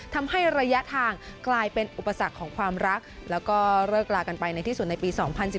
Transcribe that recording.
ทำให้ระยะทางกลายเป็นอุปสรรคของความรักแล้วก็เลิกลากันไปในที่สุดในปี๒๐๑๙